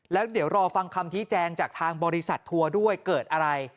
แล้วเดี๋ยวรอฟังคำชี้แจงจากทางบริษัททัวร์ด้วยเกิดอะไร